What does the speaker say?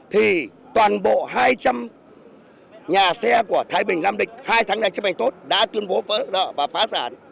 thì toàn bộ hai trăm linh nhà xe của thái bình nam định hai tháng đại chấp hành tốt đã tuyên bố vỡ và phá sản